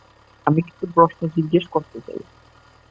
আমি কিছু প্রশ্ন জিজ্ঞেস করতে চাই?